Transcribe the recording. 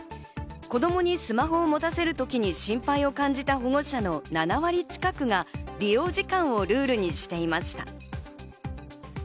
子供にスマホを持たせるときに心配を感じた保護者の７割近くが利用時間をルールにしていました。